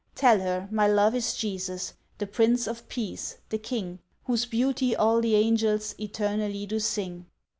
Tell her, my Love is Jesus, The Prince of Peace—the King, Whose Beauty all the Angels Eternally do sing."